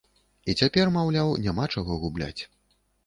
І цяпер, маўляў, няма чаго губляць.